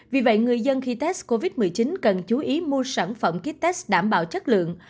vì vậy người dân khi test covid một mươi chín cần chú ý mua sản phẩm kites đảm bảo chất lượng